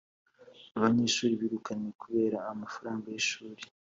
Abanyeshuri birukanywe kubera amafaranga y’ ishuri